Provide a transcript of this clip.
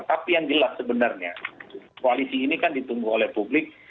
tapi yang jelas sebenarnya koalisi ini kan ditunggu oleh publik